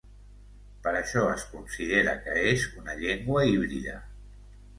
Per això es considera que és una llengua híbrida.